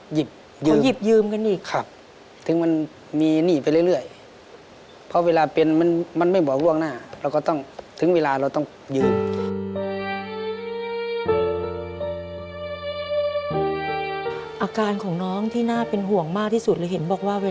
หยิบยืมเขาหยิบยืมกันอีก